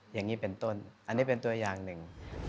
อย่างนี้เป็นต้นอันนี้เป็นตัวอย่างหนึ่ง